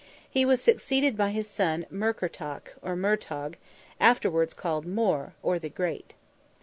He was succeeded by his son Murkertach, or Murtogh, afterwards called More, or the great.